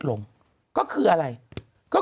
คุณหนุ่มกัญชัยได้เล่าใหญ่ใจความไปสักส่วนใหญ่แล้ว